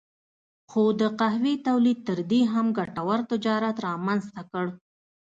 خو د قهوې تولید تر دې هم ګټور تجارت رامنځته کړ.